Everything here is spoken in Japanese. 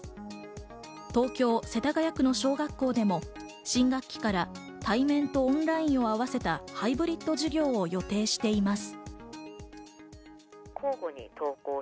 東京・世田谷区の小学校でも新学期から対面とオンラインを合わせたハイブリッド授業を予定しています。